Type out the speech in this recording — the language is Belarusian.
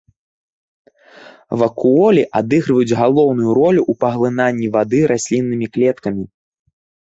Вакуолі адыгрываюць галоўную ролю ў паглынанні вады расліннымі клеткамі.